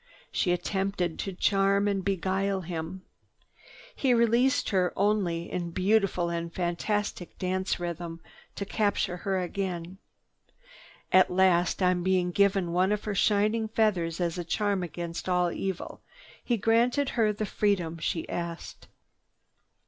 She attempted to charm and beguile him. He released her only, in beautiful and fantastic dance rhythm, to capture her again. At last, on being given one of her shining feathers as a charm against all evil, he granted her the freedom she asked.